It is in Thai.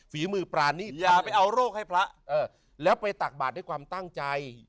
ฝีมือปรานีตอย่าไปเอาโรคให้พระแล้วไปตักบาทด้วยความตั้งใจ